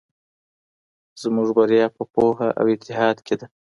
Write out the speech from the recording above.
زموږ بریا په پوهه او اتحاد کې ده.